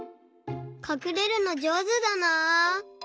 かくれるのじょうずだな。